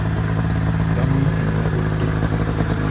Bamuyita Nnabudde.